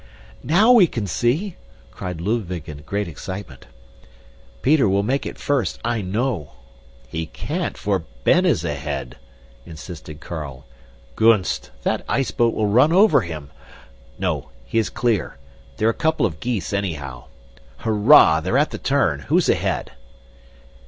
"NOW we can see!" cried Ludwig in great excitement. "Peter will make it first, I know." "He can't for Ben is ahead!" insisted Carl. "Gunst! That iceboat will run over him. No! He is clear! They're a couple of geese, anyhow. Hurrah! they're at the turn. Who's ahead?"